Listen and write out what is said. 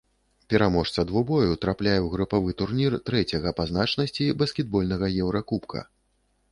Пераможца двубою трапляе ў групавы турнір трэцяга па значнасці баскетбольнага еўракубка.